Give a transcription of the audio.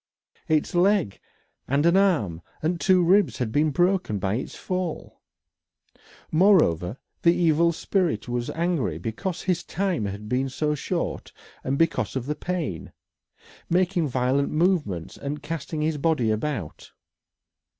Its leg and an arm and two ribs had been broken by its fall. Moreover, the evil spirit was angry because his time had been so short and because of the pain making violent movements and casting his body about.